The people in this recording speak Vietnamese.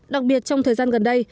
đặc biệt trong thời gian gần đây